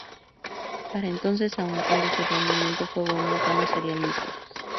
Para entonces, aun cuando su rendimiento fue bueno, ya no sería el mismo.